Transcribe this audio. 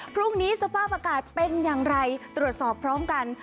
พรุ่งนี้สภาพอากาศเป็นอย่างไรตรวจสอบพร้อมกัน